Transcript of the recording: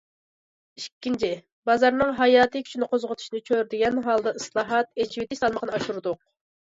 ئىككىنچى، بازارنىڭ ھاياتىي كۈچىنى قوزغىتىشنى چۆرىدىگەن ھالدا ئىسلاھات، ئېچىۋېتىش سالمىقىنى ئاشۇردۇق.